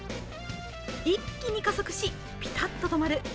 一気に加速し、ピタッと止まる。